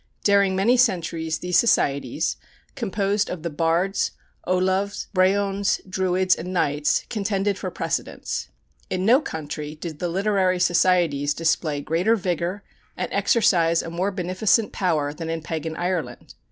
During many centuries these societies, composed of the bards, ollamhs, brehons, druids, and knights, contended for precedence. In no country did the literary societies display greater vigor and exercise a more beneficent power than in pagan Ireland.